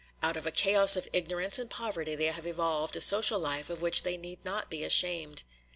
Out of a chaos of ignorance and poverty they have evolved a social life of which they need not be ashamed.